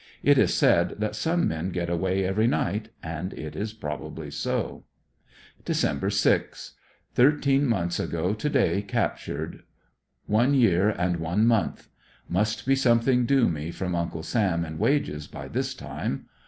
It is said that some men get away every night, and it is probably so. Dec. 6. — Thirteen months ago to day captured —one year and one month. Must be something due me from Uncle Sam in wages, by this time.